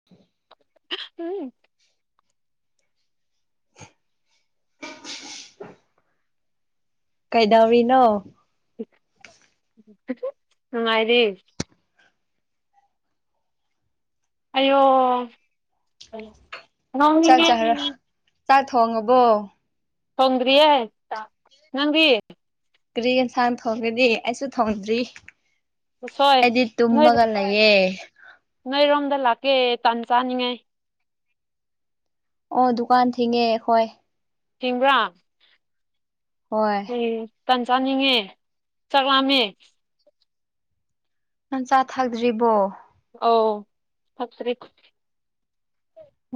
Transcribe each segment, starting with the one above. [inaudible] [unintelligible] [inaudible] ꯀꯩꯗꯧꯔꯤꯅꯣ ꯅꯨꯡꯉꯥꯏꯔꯤ ꯑꯌꯣ ꯆꯥꯛ ꯉꯥꯎꯅꯤꯡꯉꯦ ꯆꯥꯔ ꯆꯥꯛ ꯊꯣꯡꯉꯕꯣ ꯊꯣꯡꯗ꯭ꯔꯤꯌꯦ ꯅꯪꯗꯤ ꯀ꯭ꯔꯤ ꯌꯦꯟꯁꯥꯡ ꯊꯣꯡꯒꯅꯤ ꯑꯩꯁꯨ ꯊꯣꯡꯗ꯭ꯔꯤ ꯎꯁꯣꯏ ꯑꯩꯗꯤ ꯅꯣꯏ ꯇꯨꯝꯃꯒ ꯂꯩꯌꯦ ꯅꯣꯏꯔꯣꯝꯗ ꯂꯥꯛꯀꯦ ꯇꯥꯟ ꯆꯥꯅꯤꯡꯉꯥꯏ ꯑꯣ ꯗꯨꯀꯥꯟ ꯊꯤꯡꯉꯦ ꯍꯣꯏ ꯊꯤꯡꯕ꯭ꯔꯥ ꯍꯣꯏ [unintelligible] ꯇꯟ ꯆꯥꯅꯤꯡꯉꯦ ꯆꯥꯛ ꯂꯥꯝꯃꯦ ꯅꯪ ꯆꯥꯥ ꯊꯥꯛꯗ꯭ꯔꯤꯕꯣ ꯑꯧ ꯐꯖꯔꯦ ꯈꯨꯠꯁꯦ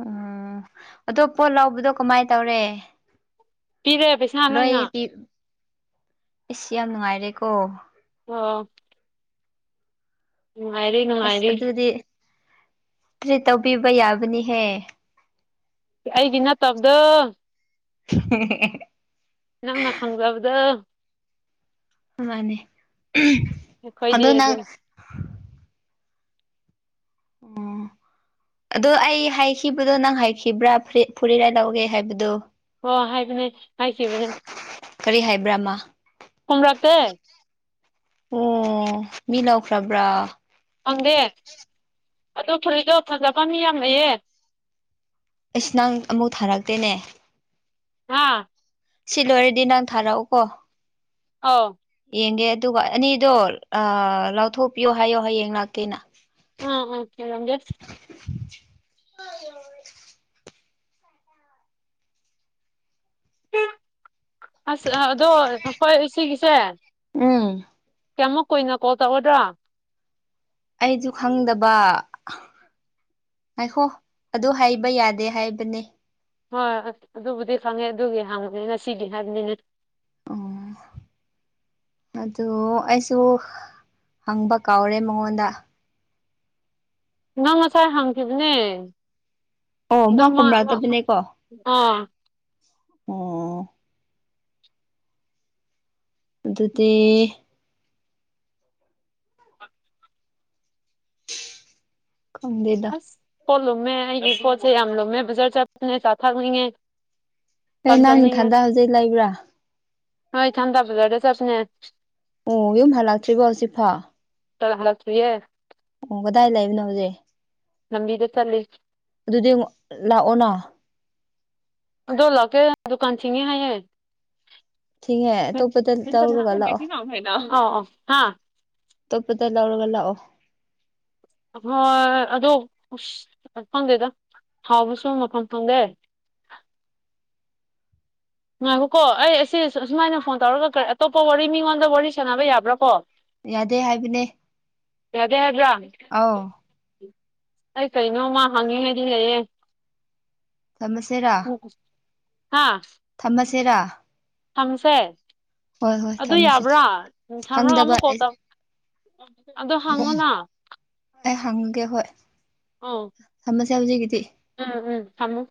ꯎꯝ ꯑꯗꯣ ꯄꯣꯠ ꯂꯧꯕꯗꯣ ꯀꯃꯥꯏ ꯇꯧꯔꯦ ꯄꯤꯔꯦ ꯄꯩꯁꯥ ꯂꯣꯏ ꯂꯣꯏꯅ ꯄꯤꯞ ꯑꯁ ꯌꯥꯝ ꯅꯨꯡꯉꯥꯏꯔꯦꯀꯣ ꯑꯣ ꯅꯨꯡꯉꯥꯏꯔꯦ ꯉꯥ ꯑꯁ ꯑꯗꯨꯗꯤ ꯇ꯭ꯔꯤꯠ ꯇꯧꯕꯤꯕ ꯌꯥꯕꯅꯤꯍꯦ ꯑꯩꯒꯤ ꯅꯠꯇꯞꯗꯣ [unintelligible] ꯅꯪꯅ ꯈꯪꯂꯕꯗꯣ ꯃꯥꯟꯅꯦ ꯈꯣꯏꯗꯤ ꯑꯗꯨꯅꯤ ꯎꯝ ꯑꯗꯣ ꯑꯩ ꯍꯥꯏꯈꯤꯕꯗꯣ ꯅꯪ ꯍꯥꯏꯈꯤꯕ꯭ꯔꯥ ꯐꯨꯔꯤꯠ ꯐꯨꯔꯤꯔꯥꯏ ꯂꯧꯒꯦ ꯍꯥꯏꯕꯗꯣ ꯑꯣ ꯍꯥꯏꯕꯅꯦ ꯍꯥꯏꯈꯤꯕꯅꯦ ꯀꯔꯤ ꯍꯥꯏꯕ꯭ꯔꯥ ꯃꯥ ꯀꯨꯝꯔꯛꯇꯦ ꯑꯣ ꯃꯤ ꯂꯧꯈ꯭ꯔꯥꯕ꯭ꯔꯥ ꯐꯪꯗꯦ ꯑꯗꯨ ꯐꯨꯔꯤꯇꯣ ꯐꯖꯕ ꯃꯤ ꯌꯥꯝ ꯂꯩꯌꯦ ꯑꯩꯁ ꯅꯪ ꯑꯃꯨꯛ ꯊꯥꯔꯛꯇꯦꯅꯦ ꯍꯥ ꯁꯤ ꯂꯣꯏꯔꯗꯤ ꯅꯪ ꯊꯥꯔꯛꯎꯀꯣ ꯑꯧ ꯌꯦꯡꯒꯦ ꯑꯗꯨꯒ ꯑꯅꯤꯗꯣ ꯑꯥ ꯂꯥꯎꯊꯣꯛꯄꯤꯌꯣ ꯍꯥꯏꯌꯣ ꯍꯌꯦꯡ ꯂꯥꯛꯀꯦꯅ [unintelligible] ꯑꯁ ꯑꯗꯣ ꯑꯈꯣꯏ ꯑꯁꯤꯒꯤꯁꯦ ꯎꯝ ꯀꯌꯥꯃꯨꯛ ꯀꯨꯏꯅ ꯀꯣꯜ ꯇꯧꯔꯗ꯭ꯔꯥ ꯑꯩꯖꯨ ꯈꯪꯗꯕ ꯉꯥꯏꯈꯣ ꯑꯗꯨ ꯍꯥꯏꯕ ꯌꯥꯗꯦ ꯍꯥꯏꯕꯅꯦ ꯍꯣꯏ ꯑꯗꯨꯕꯨꯗꯤ ꯈꯪꯉꯦ ꯑꯗꯨꯒꯤ ꯍꯥꯡꯕꯅꯤ ꯉꯁꯤꯒꯤ ꯍꯥꯏꯕꯅꯤꯅꯦ ꯑꯣ ꯑꯗꯨ ꯑꯩꯁꯨ ꯍꯪꯕ ꯀꯥꯎꯔꯦ ꯃꯉꯣꯟꯗ ꯅꯪ ꯉꯁꯥꯏ ꯍꯪꯈꯤꯕꯅꯦ ꯑꯣ ꯑꯗꯥ ꯃꯥ ꯈꯨꯝꯔꯛꯇꯕꯅꯦꯀꯣ ꯑꯥ ꯑꯣ ꯑꯗꯨꯗꯤ ꯈꯪꯗꯦ ꯑꯁ ꯄꯣꯠ ꯂꯨꯝꯃꯦ ꯑꯩꯒꯤ ꯄꯣꯠꯁꯦ ꯌꯥꯝ ꯂꯨꯝꯃꯦ ꯕꯖꯥꯔ ꯆꯠꯄꯉꯦ ꯆꯥ ꯊꯥꯛꯅꯤꯡꯉꯦ ꯑꯩ ꯅꯪ ꯅꯊꯟꯗꯥ ꯍꯧꯖꯤꯛ ꯂꯩꯕ꯭ꯔꯥ ꯍꯣꯏ ꯏꯊꯟꯇ ꯕꯖꯥꯔꯗ ꯆꯠꯄꯅꯦ ꯑꯣ ꯌꯨꯝ ꯍꯜꯂꯛꯇ꯭ꯔꯤꯕꯣ ꯍꯧꯖꯤꯛꯐꯥꯎ [unintelligible] ꯍꯜꯂꯛꯇ꯭ꯔꯤꯌꯦ ꯑꯣ ꯀꯗꯥꯏ ꯂꯩꯕꯅꯣ ꯍꯧꯖꯤꯛ ꯂꯝꯕꯤꯗ ꯆꯠꯂꯤ ꯑꯗꯨꯗꯤ ꯃꯨꯛ ꯂꯥꯛꯑꯣꯅ ꯑꯗꯣ ꯂꯥꯛꯀꯦ ꯗꯨꯀꯥꯟ ꯊꯤꯡꯉꯦ ꯍꯥꯏꯌꯦ ꯊꯤꯡꯑꯦ ꯑꯇꯣꯞꯄꯗ ꯇꯧꯔꯒ ꯂꯥꯛꯑꯣ꯫ ꯑꯣ ꯑꯣ ꯍꯥ ꯑꯇꯣꯞꯄꯗ ꯂꯧꯔꯒ ꯂꯥꯛꯑꯣ ꯍꯥ ꯍꯣꯏ ꯑꯗꯣ ꯑꯁ ꯈꯪꯗꯦꯗ ꯍꯥꯎꯕꯁꯨ ꯃꯐꯝ ꯈꯪꯗꯦ꯫ ꯉꯥꯏꯈꯣꯀꯣ ꯑꯩ ꯑꯁꯤ ꯑꯁꯨꯃꯥꯏꯅ ꯐꯣꯟ ꯇꯧꯔꯒ ꯑꯇꯣꯞꯄ ꯋꯥꯔꯤ ꯃꯤꯉꯣꯟꯗ ꯋꯥꯔꯤ ꯁꯥꯟꯅꯕ ꯌꯥꯕ꯭ꯔꯥꯀꯣ ꯌꯥꯗꯦ ꯍꯥꯏꯕꯅꯦ ꯌꯥꯗꯦ ꯍꯥꯏꯕ꯭ꯔꯣ ꯑꯧ ꯑꯩ ꯀꯩꯅꯣꯝꯃꯥ ꯍꯪꯅꯤꯡꯉꯥꯏꯗꯤ ꯂꯩꯌꯦ꯫ ꯊꯝꯃꯁꯤꯔꯥ ꯎꯝ ꯍꯥꯥ ꯆꯁꯤꯔꯥ ꯊꯝꯁꯦ ꯍꯣꯏ ꯑꯗꯨ ꯊꯝꯃꯁꯤ ꯌꯥꯕ꯭ꯔꯥ ꯊꯝꯔꯥ ꯈꯪꯗꯕ ꯑꯃꯨꯛ ꯀꯣꯜ ꯑꯩ ꯇꯧ ꯑꯗꯣ ꯍꯡꯉꯣꯅ ꯑꯩ ꯍꯪꯉꯒꯦ ꯍꯣꯏ ꯑꯧ ꯊꯝꯃꯁꯦ ꯍꯧꯖꯤꯒꯤꯗꯤ ꯎꯝ- ꯎꯝ ꯊꯝꯃꯨ